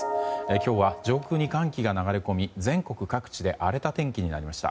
今日は上空に寒気が流れ込み全国各地で荒れた天気になりました。